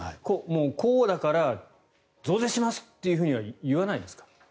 こうだから増税します！とは言わないんですか？